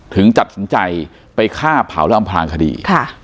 ถึงจัดสินใจข้าวและอำพลางคดี